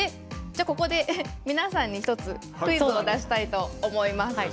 ここで皆さんに一つクイズを出したいと思います。